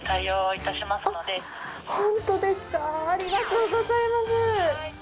ありがとうございます！